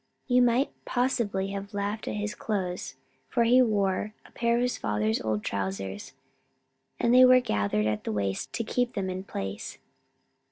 You might possibly have laughed at his clothes, for he wore a pair of his father's old trousers, and they were gathered in at the waist to keep them in place.